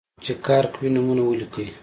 چې کار کوي، نومونه ولیکئ.